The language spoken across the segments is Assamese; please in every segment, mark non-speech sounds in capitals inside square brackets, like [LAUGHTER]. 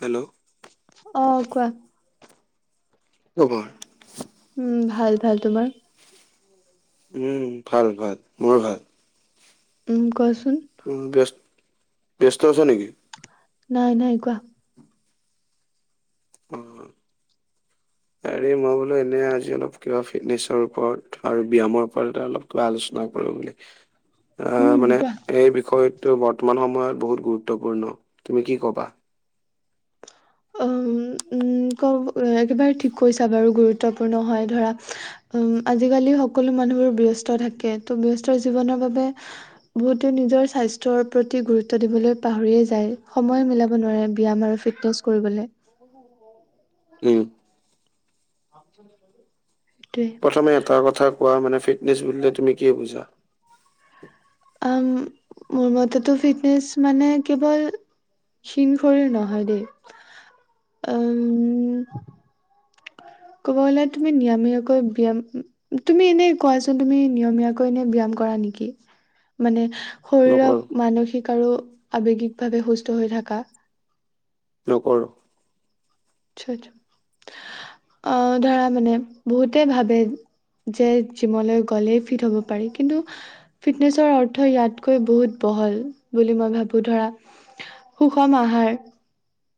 হেল্ল'। অ কোৱা। খবৰ উম ভাল ভাল তোমাৰ? উম ভাল ভাল মোৰো ভাল। উম কচ উ ব্যস ব্যস্ত আছ নেকি? নাই নাই কোৱা? উম। মই বোলো এনেই আজি অলপ কিবা ফিটনেছৰ ওপৰত আৰু ব্যায়ামৰ ওপৰত এটা অলপ কিবা আলোচনা কৰো। উম আহ মানে কোৱা এই বিষয়টো বৰ্তমান সময়ত বহুত গুৰুত্বপূৰ্ণ তুমি কি ক'বা? [INAUDIBLE] উম, উম, একেবাৰে ঠিক কৈছা বাৰু গুৰুত্বপূৰ্ণ হয় ধৰা উম আজিকালি সকলো মানুহোৰ ব্যস্ত থাকে। ত' ব্যস্ত জীৱনৰ বাবে বহুতো নিজৰ স্বাস্থ্য প্ৰতি গুৰুত্ব দিবলৈ পাহৰিয়ে যায় সময় মিলাব নোৱাৰে ব্যায়াম আৰু ফিটনেছ কৰিবলৈ উ আ ক প্ৰথমে এটা কথা কোৱা মানে ফিটনেছ বুলিলে তুমি কি বুজা? উম মোৰ মতেতো ফিটনেচ মানে কেৱল শিংঘৰি নহয় দেই উম কব গলে তুমি নিয়মীয়াকৈ ব্যায়াম তুমি এনে কোৱাচোন তুমি নিয়মীয়াকৈ এনে ব্যায়াম কৰা নেকি। মানে শৰীৰক নকৰো মানসিক আৰু আৱেগিকভাৱে সুস্থ হৈ থকা নকৰো। আহ ধৰা মানে বহুতে ভাবে যে জিমলৈ গ'লেই ফিট হ'ব পাৰি কিন্তু ফিটনেছৰ অৰ্থ ইয়াতকৈ বহুত বহল বুলি মই ভাবো ধৰা সুষম আহাৰ উ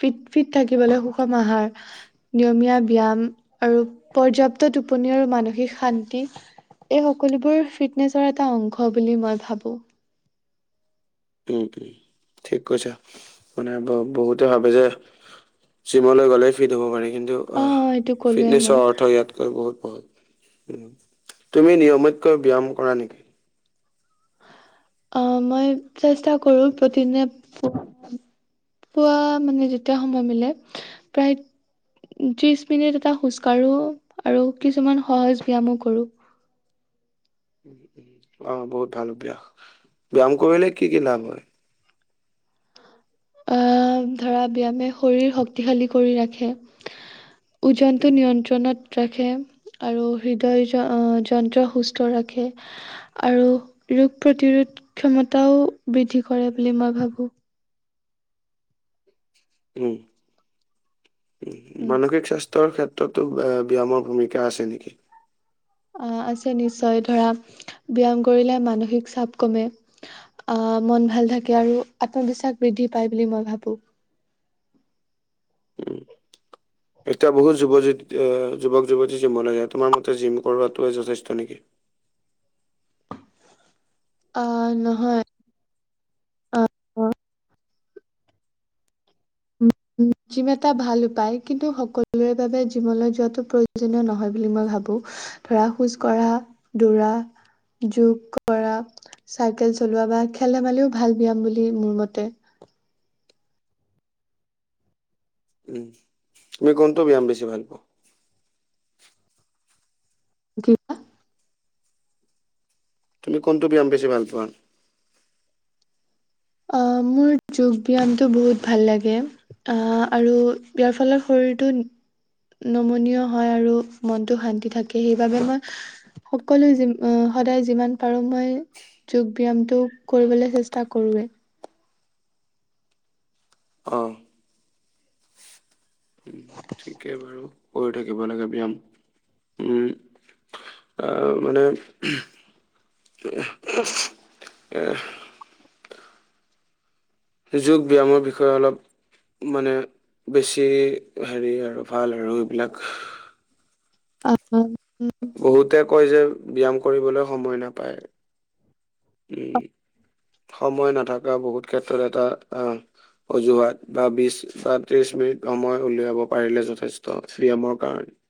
ফিট ফিট থাকিবলৈ সুষম আহাৰ নিয়মীয়া ব্যায়াম আৰু পৰ্যাপ্ত টোপনি আৰু মানসিক শান্তি এই সকলোবোৰ ফিটনেছৰ এটা অংশ বুলি মই ভাবো উম উম ঠিক কৈছা মানে ব বহুতে ভাবে যে জিমলৈ গ'লে ফিট হ'ব পাৰি কিন্তু অ আঃ এইটো কলোৱে ফিটনেছৰ মই অৰ্থ ইয়াতকৈ বহুত বহল। উ তুমি নিয়মিতকৈ ব্যায়াম কৰা নেকি? অ মই চেষ্টা কৰো প্ৰতিদিনে পোৱা মানে যেতিয়া সময় মিলে প্ৰায় ত্ৰিশ মিনিট এটা খোজ কাঢ়ো আৰু কিছুমান সহজ ব্যায়ামো কৰো। অ বহুত ভাল অভ্যাস ব্যায়াম কৰিলে কি কি লাভ হয়? আহ ধৰা ব্যায়ামে শৰীৰ শক্তিশালী কৰি ৰাখে ওজনটো উম নিয়ন্ত্ৰণত ৰাখে আৰু হৃদয় যন্ত্ৰ সুস্থ ৰাখে আৰু ৰোগ প্ৰতিৰোধ ক্ষমতাও বৃদ্ধি কৰে বুলি মই ভাবো। উম উ উম। মানসিক স্বাস্থ্য ক্ষেত্ৰতো ব্যায়ামৰ ভূমিকা আছে নেকি? অ আছে নিশ্চয় ধৰা ব্যায়াম কৰিলে মানসিক চাপ কমে আহ মন ভাল থাকে আৰু আত্মবিশ্বাস বৃদ্ধি পায় বুলি মই ভাবো। [INAUDIBLE] উম এতিয়া বহুত যুৱ যুৱক যুৱতী জিমলৈ যায় তোমাৰ মতে জিম কৰাে যথেষ্ট নেকি? [INAUDIBLE] অ', নহয় অ', উম, জিম এটা ভাল উপায় কিন্তু সকলোৰে বাবে জিমলৈ যোৱাটো প্ৰয়োজনীয় নহয়। বুলি মই ভাবোঁ ধৰা খোজ কৰা দৌৰা যোগ কৰা চাইকেল চলোৱা বা খেল ধেমালিও ভাল ব্যায়াম বুলি মোৰ মতে উম তুমি কোনটো ব্যায়াম বেছি ভাল পোৱা? কিেইা তুমি কোনটো ব্যায়াম বেছি ভাল পোৱা? অ মোৰ যোগ ব্যায়ামটো বহুত ভাল লাগে আৰু ইয়াৰ ফলত শৰটো নমনীয় হয় আৰু মনটো শান্তি থাকে সেইবাবে মই সকলোৱে যি আহ সদায় যিমান পাৰো মই যোগ ব্যয়ামটো কৰিবলৈ চেষ্টা কৰৱে। অ ঠিকে বাৰু কৰি, থাকিব লাগে ব্যায়াম। তাৰ মানে এ যোগ ব্যায়ামৰ বিষয়ে অলপ মানে বেছি হেৰি আৰু ভাল আৰু এইবিলাক। অ', বহুতে কয় যে ব্যায়াম কৰিবলৈ সময় নাপায়। উম, সময় নাথকা বহুত ক্ষেত্ৰত এটা আ অজুুৱাত বা বিশ বা ত্ৰিশ মিনিট সময় উলিয়াব পাৰিলে যথেষ্ট ব্যায়ামৰ কাৰণে। [INAUDIBLE]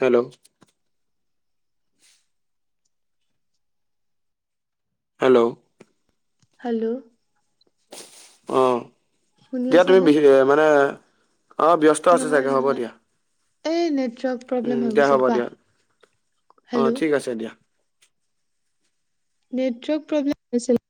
হেল্ল' হেল্ল' হেল্ল' অ', শুনি দিয়া তুমি আছানে? বিশে মানে অ', ব্যস্ত আছে নহয় চাগে হ'ব নহয় দিয়া। এই নেটৱৰ্ক প্ৰব্লেম উম হৈ দিয়া গৈছিল হ'ব দিয়া কোৱা অ হেল্ল' ঠিক আছে দিয়া নেটৱৰ্ক প্ৰব্লেম হৈছিল।